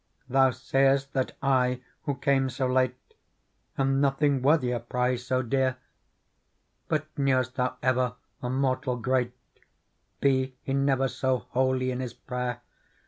Thou say'st that I, who came so late, Am nothing worthy a prize so dear. But knew'st thou ever a mortal jret, Be he&vcr^a'hbly in his prayer.